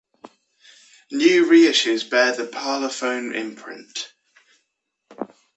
New reissues bear the Parlophone imprint.